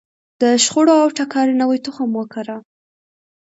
د شخړو او ټکر نوی تخم وکره.